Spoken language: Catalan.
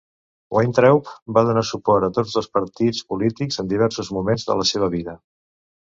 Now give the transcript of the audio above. Weintraub va donar suport a tots dos partits polítics en diversos moments de la seva vida.